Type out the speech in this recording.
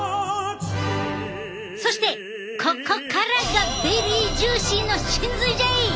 そしてここからがベリージューシーの神髄じゃい！